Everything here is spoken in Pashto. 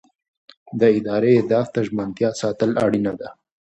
د ادارې اهدافو ته ژمنتیا ساتل اړینه ده.